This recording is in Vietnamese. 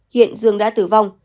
hiện dương đã tử vong